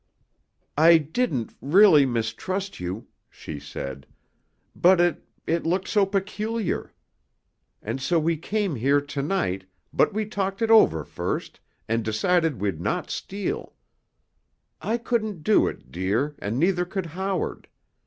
"I didn't—really—mistrust you," she said. "But it—it looked so peculiar. And so we came here to night—but we talked it over first, and decided we'd not steal. I couldn't do it, dear, and neither could Howard.